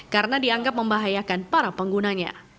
karena dianggap membahayakan para penggunanya